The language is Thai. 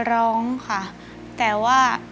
อินโทรเพลงที่๓มูลค่า๔๐๐๐๐บาทมาเลยครับ